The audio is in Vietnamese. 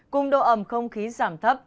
cùng độ ẩm không khí giảm thấp